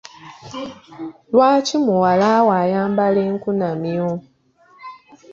Lwaki muwala wo ayambala enkunamyo?